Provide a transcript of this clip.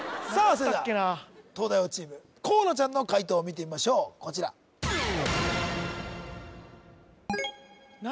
それでは・何だったっけな東大王チーム河野ちゃんの解答を見てみましょうこちら何？